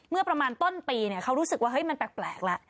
เมื่อประมาณต้นปีเขารู้สึกว่าเฮ้ยมันแปลกแล้ว